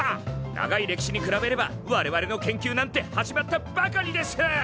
長い歴史に比べれば我々の研究なんて始まったばかりです！